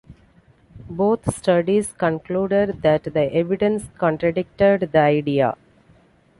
Both studies concluded that the evidence contradicted the idea.